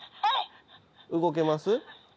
動けます？